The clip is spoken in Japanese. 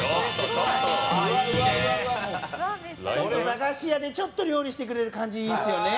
駄菓子屋でちょっと料理してくれる感じいいですよね。